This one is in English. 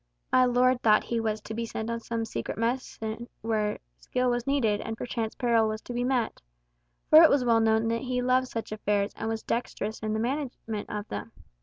My lord thought he was to be sent on some secret mission where skill was needed, and perchance peril was to be met. For it was well known that he loved such affairs, and was dexterous in the management of them.